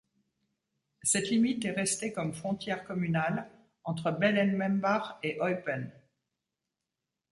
Cette limite est restée comme frontière communale entre Baelen-Membach et Eupen.